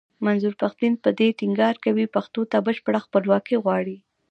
منظور پښتين په دې ټينګار کوي پښتنو ته بشپړه خپلواکي غواړي.